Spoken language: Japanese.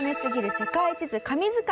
世界地図神図解。